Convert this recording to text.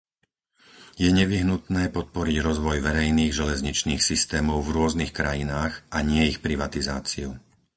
Je nevyhnutné podporiť rozvoj verejných železničných systémov v rôznych krajinách, a nie ich privatizáciu.